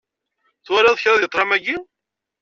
Twalaḍ kra deg ṭlam-agi?